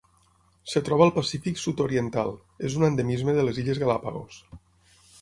Es troba al Pacífic sud-oriental: és un endemisme de les illes Galápagos.